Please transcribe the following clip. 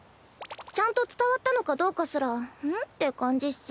ちゃんと伝わったのかどうかすらん？って感じっス。